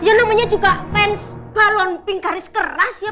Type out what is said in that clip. ya namanya juga fans balon pink garis keras ya